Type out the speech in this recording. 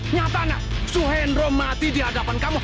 nyatanya suhenro mati di hadapan kamu